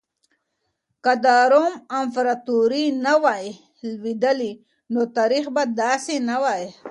که د روم امپراطورۍ نه وای لوېدلې نو تاريخ به داسې نه وای.